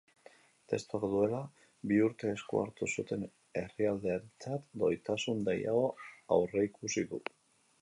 Testuak duela bi urte esku hartu zuten herrialdearentzat doitasun gehiago aurreikusi du.